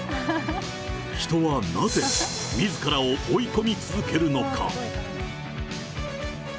人はなぜ、みずからを追い込み続けるのか。